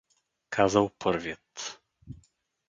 казал първият.